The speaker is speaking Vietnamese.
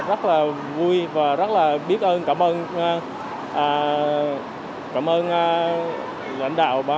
rất là vui và rất là biết ơn cảm ơn lãnh đạo